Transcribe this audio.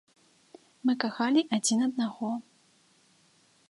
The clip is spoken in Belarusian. Мы кахалі адзін аднаго.